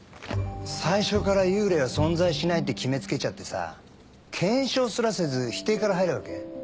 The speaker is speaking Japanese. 最初から幽霊は存在しないって決め付けちゃってさ検証すらせず否定から入るわけ？